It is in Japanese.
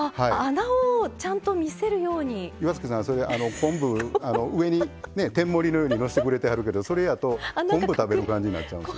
岩槻さんは昆布上に天盛りのようにのせてくれてはるけどそれやと昆布食べる感じになっちゃうんです。